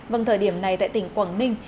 vâng thời điểm này tại tỉnh quảng ninh